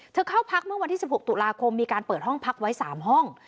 เข้าพักเมื่อวันที่๑๖ตุลาคมมีการเปิดห้องพักไว้๓ห้อง